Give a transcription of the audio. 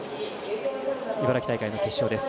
茨城大会の決勝です。